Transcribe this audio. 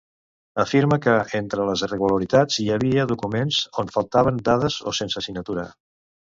Afirma que, entre les irregularitats, hi havia documents on faltaven dades o sense signatura.